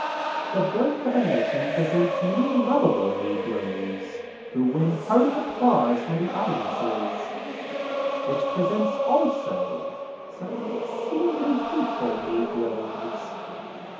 "The Birth of a Nation" presents many lovable negroes who win hearty applause from the audiences. It presents also some exceedingly hateful negroes.